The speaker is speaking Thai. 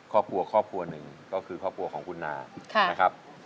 ครอบครัวครอบครัวหนึ่งก็คือครอบครัวของคุณนานะครับ